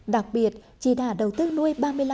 đặc biệt chị đã đầu tư nuôi ba mươi năm